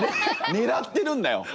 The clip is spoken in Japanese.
狙ってるんだよ。